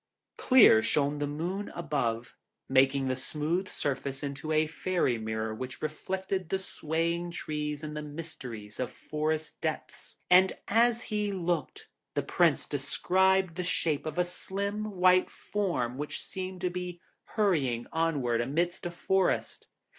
Clear shone the moon above, making the smooth surface into a fairy mirror which reflected the swaying trees and the mysteries of forest depths; and as he looked, the Prince descried the shape of a slim white form which seemed to be hurrying onward amidst a forest.